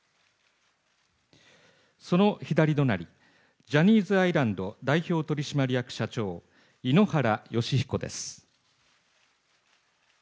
その左隣、ジャニーズアイランド代表取締役社長、井ノ原快彦です。